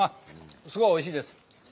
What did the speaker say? すごいおいしいです。